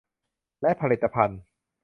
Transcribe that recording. และผลิตภัณฑ์